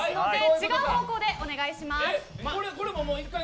違う方向でお願いします。